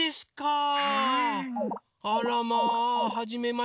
あらまあはじめまして。